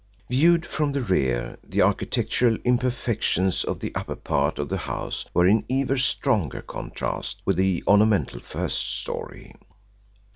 Viewed from the rear, the architectural imperfections of the upper part of the house were in even stronger contrast with the ornamental first story.